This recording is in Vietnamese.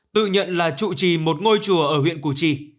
tự nhận là trụ trì một ngôi chùa ở huyện củ trì